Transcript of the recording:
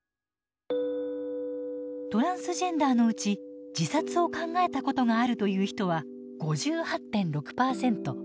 トランスジェンダーのうち自殺を考えたことがあるという人は５８．６％。